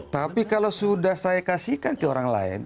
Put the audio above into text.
tapi kalau sudah saya kasihkan ke orang lain